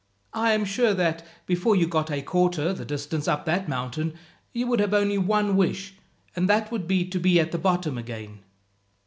I am sure that, before you got a quarter the distance up that mountain, you would have only one wish, and that would be to be at the bottom again."